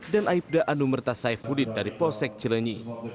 dan aibda anumerta saifuddin dari possek cilenyi